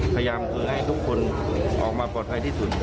พยายามขอให้ทุกคนออกมาปลอดภัยที่สุด